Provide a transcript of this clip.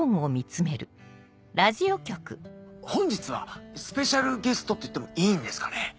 本日はスペシャルゲストって言ってもいいんですかね？